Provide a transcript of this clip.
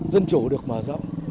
dân chủ được mở rộng